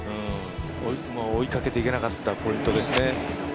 追いかけていけなかったポイントですね。